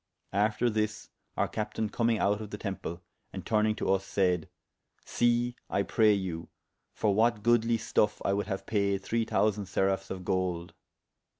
After this our captayne commyng out of the temple, and turnyng to vs, sayd, See (I pray you) for what goodly stuffe I would haue paide three thousande seraphes of golde.